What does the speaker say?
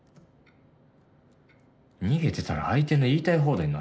逃げてたら相手の言いたい放題に。